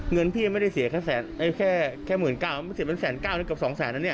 เงินพี่ไม่ได้เสียแค่แสนกับสองสันนะนี่